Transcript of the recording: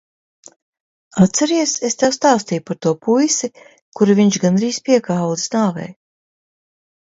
Atceries, es tev stāstīju par to puisi, kuru viņš gandrīz piekāva līdz nāvei?